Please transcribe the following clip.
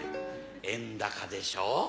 円高でしょ。